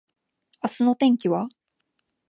明日の天気は？